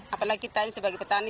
apalagi kita sebagai petani